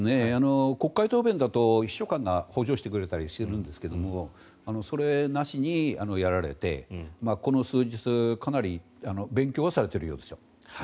国会答弁だと秘書官が補助してくれたりしますがそれなしにやられてこの数日、かなり勉強はされているようですよ。